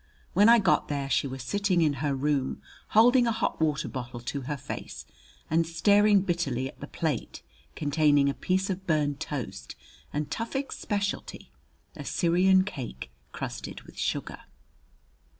When I got there she was sitting in her room holding a hot water bottle to her face, and staring bitterly at the plate containing a piece of burned toast and Tufik's specialty a Syrian cake crusted with sugar.